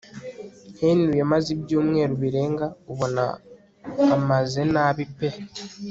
Henry yamaze ibyumweru birenga ubona amaze nabi pe